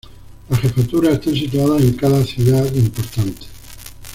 Las jefaturas están situadas en cada ciudad importante.